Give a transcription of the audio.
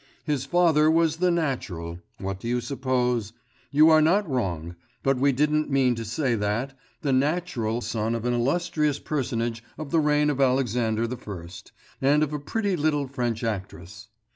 His father was the natural ... what do you suppose? You are not wrong but we didn't mean to say that ... the natural son of an illustrious personage of the reign of Alexander I. and of a pretty little French actress.